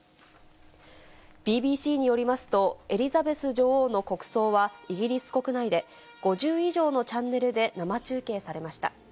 ＢＢＣによりますと、エリザベス女王の国葬は、イギリス国内で５０以上のチャンネルで生中継されました。